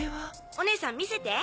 おねえさん見せて。